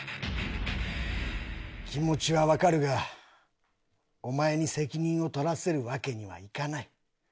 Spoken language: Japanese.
気持ちはわかるがお前に責任を取らせるわけにはいかない！